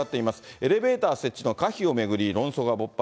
エレベーター設置の可否を巡り論争が勃発。